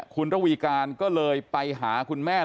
คุณระวีการก็เลยไปหาคุณแม่